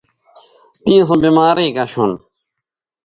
تیں سو بیماری کش ھون